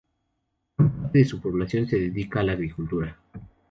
Gran parte de su población se dedica a la agricultura.